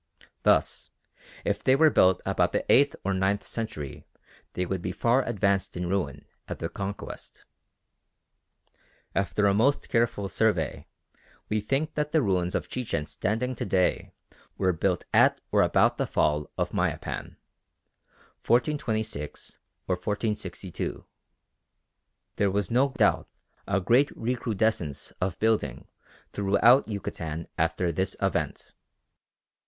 Thus, if they were built about the eighth or ninth century they would be far advanced in ruin at the Conquest. After a most careful survey, we think that the ruins of Chichen standing to day were built at or about the fall of Mayapan (1426 or 1462). There was no doubt a great recrudescence of building throughout Yucatan after this event.